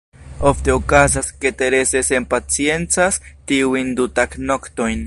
Ofte okazas, ke Terese senpaciencas tiujn du tagnoktojn.